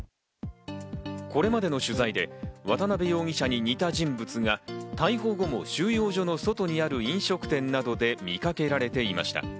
これまでの取材で、渡辺容疑者に似た人物が、逮捕後も収容所の外にある、飲食店などで見かけられていました。